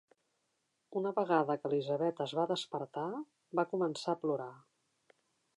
Una vegada que Elizabeth es va despertar, va començar a plorar.